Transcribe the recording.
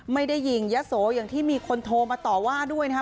ไม่ได้ยิงยะโสอย่างที่มีคนโทรมาต่อว่าด้วยนะคะ